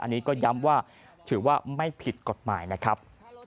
อันนี้ก็ย้ำว่าถือว่าไม่ผิดกฎหมายนะครับ